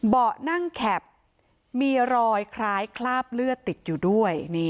เบาะนั่งแคปมีรอยคล้ายคราบเลือดติดอยู่ด้วย